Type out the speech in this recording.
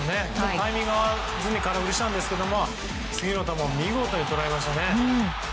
タイミングが合わずに空振りしたんですけど次の球を見事に捉えましたね。